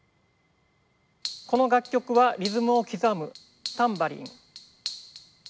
この楽曲はリズムを刻むタンバリン。